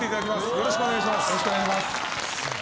よろしくお願いします